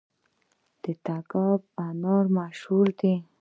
د تګاب انار مشهور دي